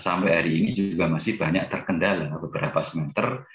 sampai hari ini juga masih banyak terkendala beberapa semester